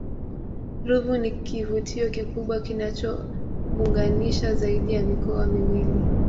ruvu ni kivutio kikubwa kinachounganisha zaidi ya mikoa miwili